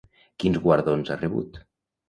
Quins guardons ha rebut?